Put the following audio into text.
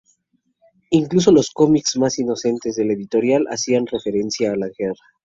Incluso los cómics más inocentes de la editorial hacían referencia a la guerra.